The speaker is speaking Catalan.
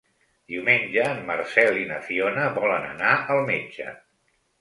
Diumenge en Marcel i na Fiona volen anar al metge.